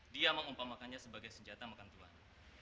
dia mengumpamakannya sebagai senjata makan tulang